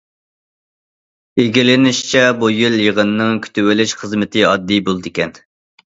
ئىگىلىنىشىچە، بۇ يىل يىغىننىڭ كۈتۈۋېلىش خىزمىتى ئاددىي بولىدىكەن.